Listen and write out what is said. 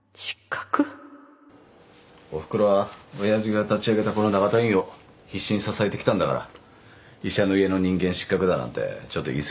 おふくろは親父が立ち上げたこの永田医院を必死に支えてきたんだから医者の家の人間失格だなんてちょっと言い過ぎだよ。